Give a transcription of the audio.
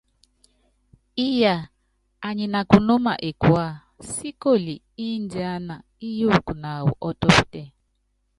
Íyaa, anyi nakunúma ekuea, síkoli ndiána íyuku naawɔ ɔ́tɔ́pítɛ.